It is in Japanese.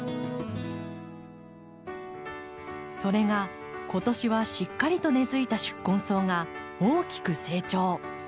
それが今年はしっかりと根づいた宿根草が大きく成長。